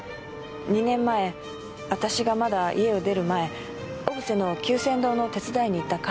２年前私がまだ家を出る前小布施の久泉堂の手伝いに行った帰りに。